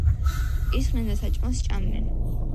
ისხდენ და საჭმელს სჭამდნენ.